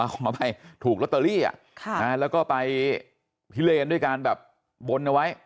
เอามาไปถูกลอตเตอรี่อ่ะค่ะแล้วก็ไปพิเลนด้วยการแบบบนเอาไว้